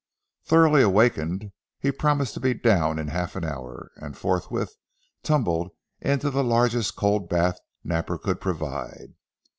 Thoroughly awakened, he promised to be down in half an hour, and forthwith tumbled into the largest cold bath Napper could provide.